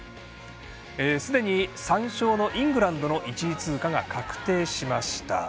すでに３勝のイングランドの１位通過が確定しました。